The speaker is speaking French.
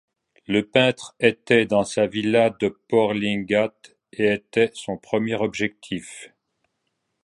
Le peintre était dans sa villa de Port Lligat et était son premier objectif.